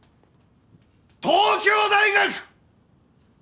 東京大学！